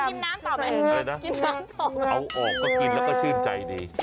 อะไรนะเอาออกก็กินแล้วก็ชื่นใจดี